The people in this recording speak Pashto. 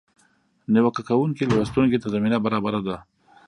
نیوکه کوونکي لوستونکي ته زمینه برابره ده.